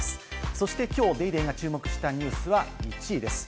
そして今日『ＤａｙＤａｙ．』が注目したニュースは１位です。